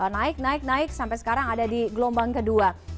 naik naik naik sampai sekarang ada di gelombang kedua